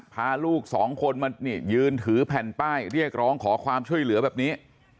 พาลูกสองคนมานี่ยืนถือแผ่นป้ายเรียกร้องขอความช่วยเหลือแบบนี้